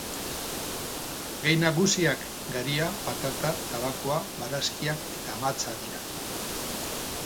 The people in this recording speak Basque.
Gai nagusiak garia, patata, tabakoa, barazkiak eta mahatsa dira.